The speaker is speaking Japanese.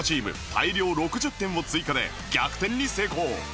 大量６０点を追加で逆転に成功